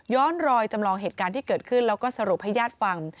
รอยจำลองเหตุการณ์ที่เกิดขึ้นแล้วก็สรุปให้ญาติฟัง